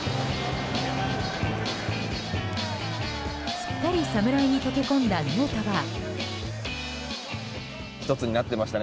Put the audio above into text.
すっかり侍に溶け込んだヌートバー。